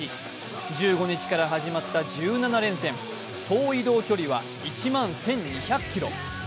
１５日から始まった１７連戦総移動距離は１万１２００ｋｍ。